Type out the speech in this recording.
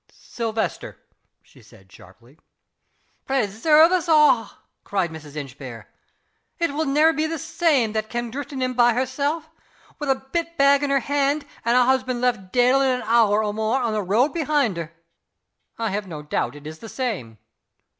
"Silvester," she said, sharply. "Presairve us a'!" cried Mrs. Inchbare. "It will never be the same that cam' driftin' in by hersel' wi' a bit bag in her hand, and a husband left daidling an hour or mair on the road behind her?" "I have no doubt it is the same."